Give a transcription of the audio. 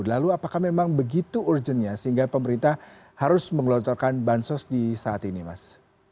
lalu apakah memang begitu urgennya sehingga pemerintah harus mengelotorkan bansos di saat ini mas